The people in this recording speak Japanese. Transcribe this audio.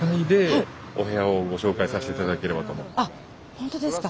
本当ですか。